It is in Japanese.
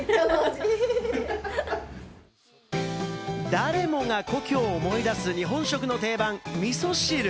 誰もが故郷を思い出す、日本食の定番みそ汁。